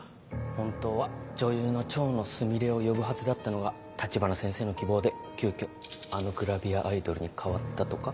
本当は女優の蝶野スミレを呼ぶはずだったのが橘先生の希望で急きょあのグラビアアイドルに変わったとか。